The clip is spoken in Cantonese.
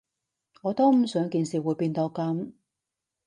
我都唔想件事會變到噉